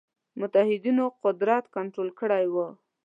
متحدینو قدرت کنټرول کړی وای.